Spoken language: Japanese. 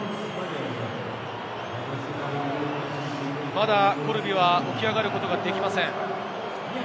まだコルビは起き上がることができません。